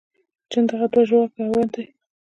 چنډخه دوه ژواکه حیوان دی